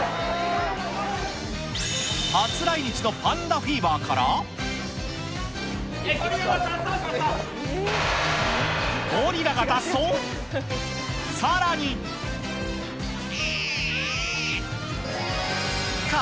初来日のパンダフィーバーかゴリラが脱走しました。